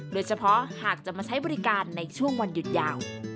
หากจะมาใช้บริการในช่วงวันหยุดยาว